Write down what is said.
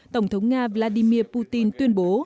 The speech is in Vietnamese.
tổng thống nga vladimir putin tuyên bố